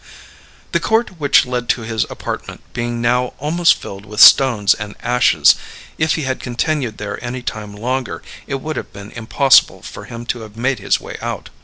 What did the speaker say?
The court which led to his apartment being now almost filled with stones and ashes, if he had continued there any time longer it would have been impossible, for him to have made his way out.